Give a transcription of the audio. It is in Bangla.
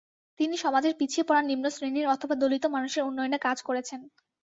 তিনি সমাজের পিছিয়ে পড়া নিম্নশ্রেণির অথবা, দলিত মানুষের উন্নয়নে কাজ করেছেন।